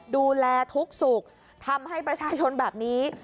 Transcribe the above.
ดูแลทุกสุขทำให้ประชาชนแบบนี้